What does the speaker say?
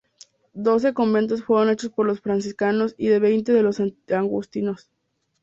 Doce conventos fueron hechos por los franciscanos y de veinte de los agustinos.